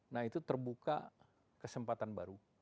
nah itu terbuka kesempatan baru